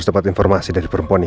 lalu berpindah ke rumah